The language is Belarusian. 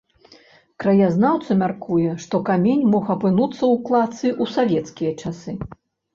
Краязнаўца мяркуе, што камень мог апынуцца ў кладцы ў савецкія часы.